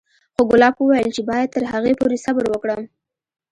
خو ګلاب وويل چې بايد تر هغې پورې صبر وکړم.